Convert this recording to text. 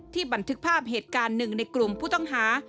บันทึกภาพเหตุการณ์หนึ่งในกลุ่มผู้ต้องหา